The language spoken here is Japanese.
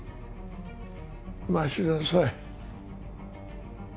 待ちなさい